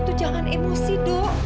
kamu tuh jangan emosi do